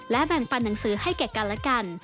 และแบ่งปันหนังสือให้แก่กันและกัน